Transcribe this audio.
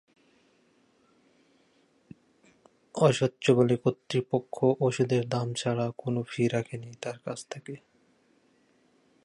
অসচ্ছল বলে কর্তৃপক্ষ ওষুধের দাম ছাড়া কোনো ফি রাখেনি তাঁর কাছ থেকে।